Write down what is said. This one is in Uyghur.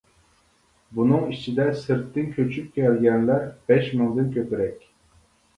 بۇنىڭ ئىچىدە سىرتتىن كۆچۈپ كەلگەنلەر بەش مىڭدىن كۆپرەك.